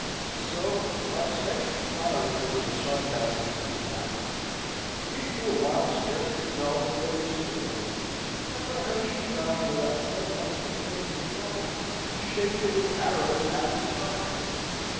So, whilst Hetty was firing her little sarcasms into Harry, he for a while scarcely felt that they were stinging him, and let her shoot on without so much as taking the trouble to shake the little arrows out of his hide.